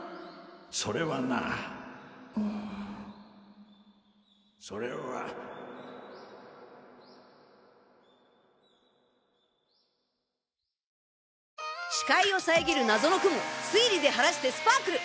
それはなそれは視界を遮る謎の雲推理で晴らしてスパークル！